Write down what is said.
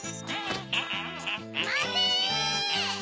まて！